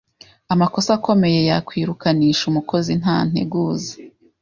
amakosa akomeye yakwirukanisha umukozi nta nteguza: